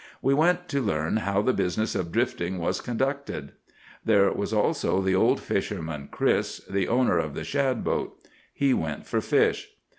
We went to learn how the business of drifting was conducted. There was also the old fisherman, Chris, the owner of the shad boat. He went for fish.